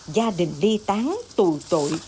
gia đình ly tán tù tội